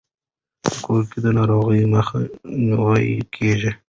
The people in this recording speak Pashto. په کور کې د ناروغیو مخه نیول کیږي.